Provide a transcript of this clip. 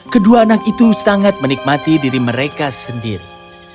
kedua anak itu sangat menikmati diri mereka sendiri